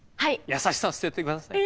優しさは捨てて下さい。